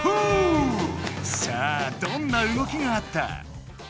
さあどんな動きがあった？